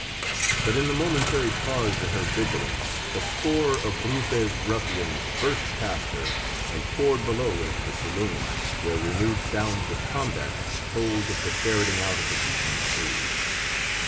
But in the momentary pause in her vigilance, a score of Rufe's ruffians burst past her and poured below into the saloon, where renewed sounds of combat told of the ferreting out of the beaten crew.